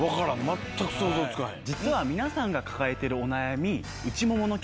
全く想像つかへん。